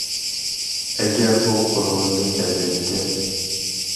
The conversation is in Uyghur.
ئەگەر ئۇ قولىڭىزدىن كەلمەيدىكەن.